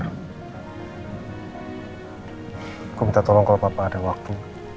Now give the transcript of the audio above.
aku minta tolong kalau pak pak ada waktu